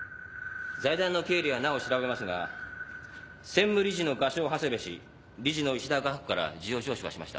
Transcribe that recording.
財団の経理はなお調べますが専務理事の画商長谷部氏理事の石田画伯から事情聴取はしました。